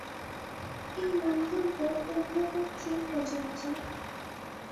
এই মন্তব্য উভয় পক্ষেই প্রযোজ্য।